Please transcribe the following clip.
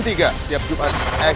tiap jumat eksklusif di gtv